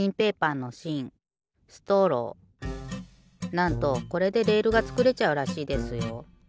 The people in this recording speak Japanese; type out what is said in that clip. なんとこれでレールがつくれちゃうらしいですよ。